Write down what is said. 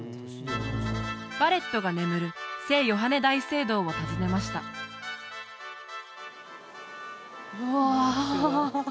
ヴァレットが眠る聖ヨハネ大聖堂を訪ねましたうわ